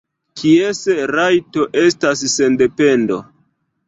Kies rajto estas sendependo?